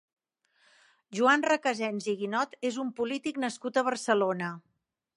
Joan Recasens i Guinot és un polític nascut a Barcelona.